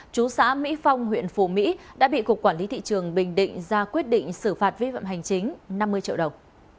chú xã mỹ phong huyện phù mỹ đã bị cục quản lý thị trường bình định ra quyết định xử phạt vi phạm hành chính năm mươi triệu đồng